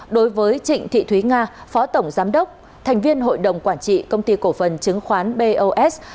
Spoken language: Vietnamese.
đối với trịnh thị thúy nga phó tổng giám đốc thành viên hội đồng quản trị công ty cổ phần chứng khoán bos